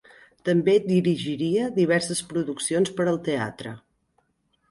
També dirigiria diverses produccions per al teatre.